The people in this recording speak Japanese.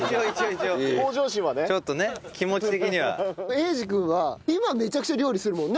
英二君は今めちゃくちゃ料理するもんね。